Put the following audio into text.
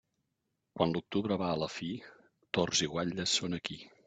Quan l'octubre va a la fi, tords i guatlles són aquí.